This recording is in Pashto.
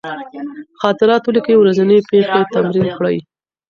خاطرات ولیکئ، ورځني پېښې تمرین کړئ.